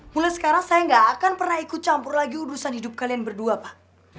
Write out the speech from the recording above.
mulai sekarang saya gak akan pernah ikut campur lagi urusan hidup kalian berdua pak